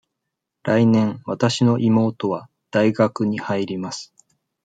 来年、わたしの妹は大学に入ります。